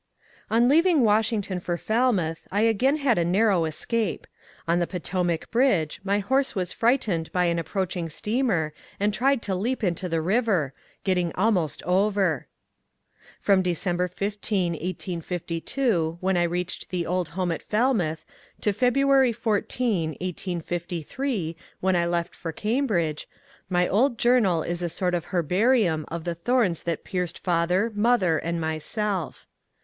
On leaving Washington for Falmouth I again had a narrow escape : on the Potomac bridge my horse was frightened by an approaching steamer and tried to leap into the river, — getting almost over. From December 16, 1852, when I reached the old home at Falmouth, to February 14, 1853, when I left for Cambridge, my old journal is a sort of herbarium of the thorns that pierced father, mother, and myself.